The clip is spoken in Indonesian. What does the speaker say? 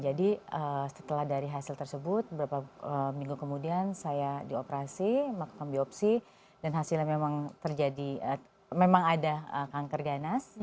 jadi setelah dari hasil tersebut beberapa minggu kemudian saya dioperasi melakukan biopsi dan hasilnya memang terjadi memang ada kanker ganas